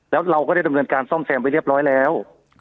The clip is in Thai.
แล้วเราก็ได้มือนการซ่อมเซมซ์ไปเรียบร้อยแล้ว